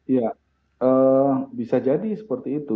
ya bisa jadi seperti itu